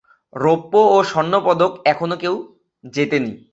রৌপ্য ও স্বর্ণ পদক এখনও কেউ জেতে নি।